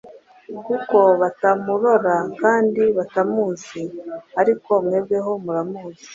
kuko batamurora kandi batamuzi; ariko mwebweho muramuzi,